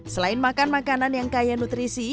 selain makan makanan yang kaya nutrisi